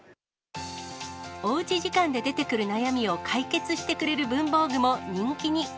おうち時間で出てくる悩みを解決してくれる文房具も人気に。